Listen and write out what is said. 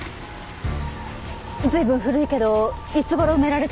随分古いけどいつ頃埋められたもの？